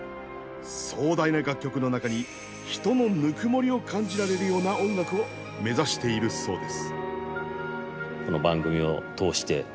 壮大な楽曲の中に人のぬくもりを感じられるような音楽を目指しているそうです。